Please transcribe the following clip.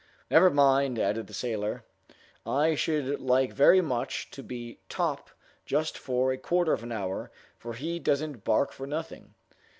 "Never mind," added the sailor, "I should like very much to be Top just for a quarter of an hour, for he doesn't bark for nothing!"